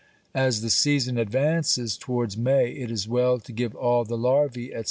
As the season advances towards May, it is well to give all the larvæ, etc.